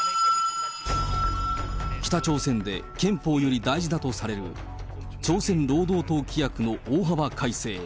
北朝鮮で憲法より大事だとされる、朝鮮労働党規約の大幅改正。